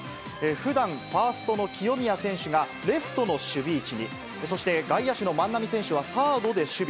ふだん、ファーストの清宮選手がレフトの守備位置に、そして外野手の万波選手は、サードで守備。